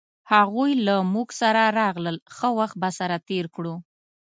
هغوی له مونږ سره راغلل ښه وخت به سره تیر کړو